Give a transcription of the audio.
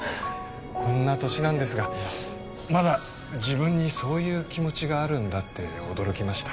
こんな年なんですがまだ自分にそういう気持ちがあるんだって驚きました